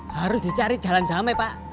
harus dicari jalan damai pak